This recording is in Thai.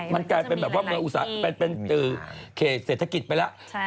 มันกลายเป็นแบบว่าเป็นอุตสาหกเป็นเศรษฐกิจไปแล้ว